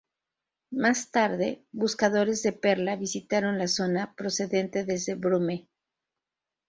Más tarde, buscadores de perla visitaron la zona procedente desde Broome.